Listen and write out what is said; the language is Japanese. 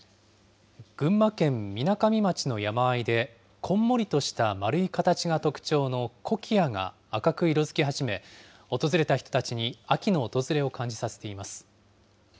群馬県みなかみ町の山あいで、こんもりとした丸い形が特徴のコキアが赤く色づき始め、訪れた人たちに秋の訪れを感じさせています。